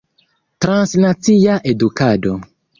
Transnacia edukado.